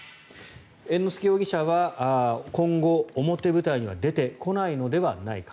猿之助容疑者は今後、表舞台には出てこないのではないか。